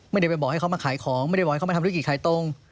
ไม่ได้ไปบอกให้เขามาขายของไม่ได้บอกให้เขามาทำธุรกิจขายตรง